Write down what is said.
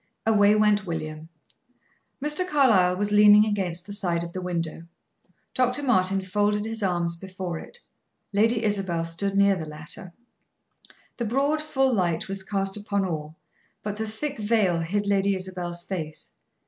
Away went William. Mr. Carlyle was leaning against the side of the window; Dr. Martin folded his arms before it: Lady Isabel stood near the latter. The broad, full light was cast upon all, but the thick veil hid Lady Isabel's face.